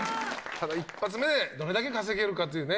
ただ一発目でどれだけ稼げるかというね。